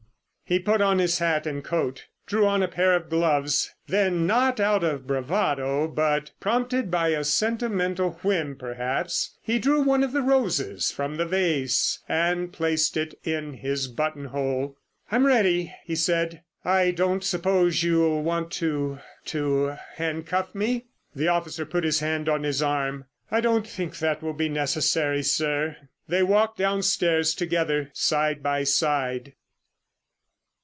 He put on his hat and coat, drew on a pair of gloves. Then, not out of bravado, but prompted by a sentimental whim, perhaps, he drew one of the roses from the vase and placed it in his button hole. "I'm ready," he said. "I don't suppose you'll want to—to handcuff me?" The officer put his hand on his arm. "I don't think it will be necessary, sir." They walked downstairs together side by side.